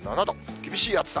厳しい暑さ。